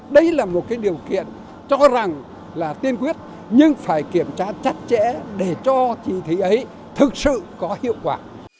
đây là một cái điều kiện cho rằng là tiên quyết nhưng phải kiểm tra chắc chẽ để cho chỉ thị ấy thực sự có hiệu quả